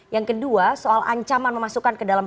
yang kedua soal ancaman memasukkan ke dalam